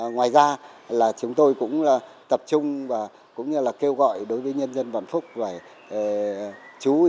ngoài ra là chúng tôi cũng tập trung và cũng như là kêu gọi đối với nhân dân vạn phúc